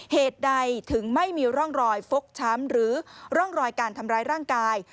เหตุใดถึงไม่มีร่องรอยฟกช้ำหรือร่องรอยการทำร้ายร่างกาย